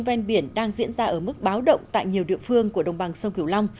ven biển đang diễn ra ở mức báo động tại nhiều địa phương của đồng bằng sông kiều long